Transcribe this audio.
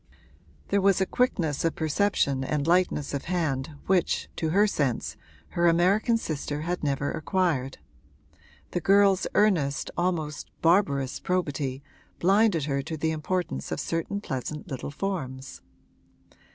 There was a quickness of perception and lightness of hand which, to her sense, her American sister had never acquired: the girl's earnest, almost barbarous probity blinded her to the importance of certain pleasant little forms.